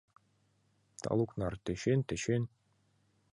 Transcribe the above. Талук нар, тӧчен-тӧчен.